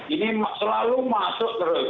ini selalu masuk terus